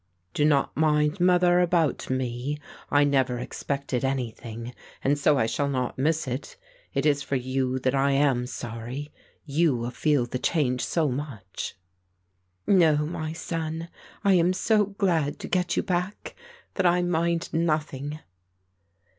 "Do not mind, Mother, about me. I never expected anything, and so I shall not miss it; it is for you that I am sorry. You will feel the change so much." "No, my son. I am so glad to get you back that I mind nothing."